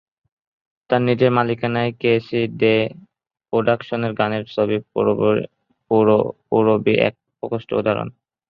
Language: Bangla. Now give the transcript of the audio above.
তার নিজের মালিকানায় কে সি দে প্রোডাকশনের গানের ছবি "পূরবী"এক প্রকৃষ্ট উদাহরণ।